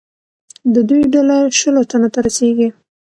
د دوی ډله شلو تنو ته رسېږي.